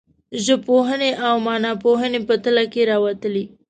ژبپوهنې او معناپوهنې په تله کې راوتلي.